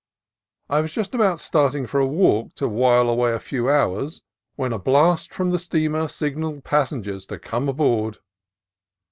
I was just about starting for a walk to while away a few hours when a blast from the steamer sig nalled passengers to come aboard.